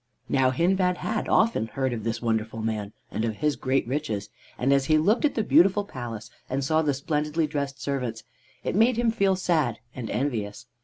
Now Hindbad had often heard of this wonderful man and of his great riches, and as he looked at the beautiful palace and saw the splendidly dressed servants it made him feel sad and envious.